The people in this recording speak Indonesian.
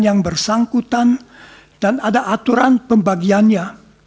yang bersangkutan dan ada aturan pembagiannya